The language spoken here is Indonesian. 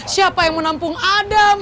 siapa yang menampung adam